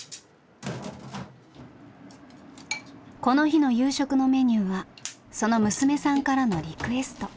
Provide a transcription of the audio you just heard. この日の夕食のメニューはその娘さんからのリクエスト。